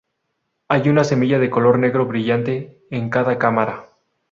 Hay una semilla de color negro brillante en cada cámara.